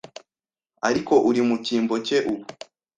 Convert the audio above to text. ariko uri mu cyimbo cye ubu